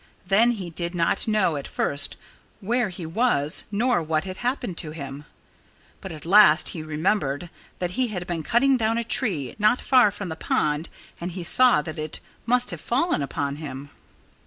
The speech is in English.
Then he did not know, at first, where he was nor what had happened to him. But at last he remembered that he had been cutting down a tree not far from the pond and he saw that it must have fallen upon him.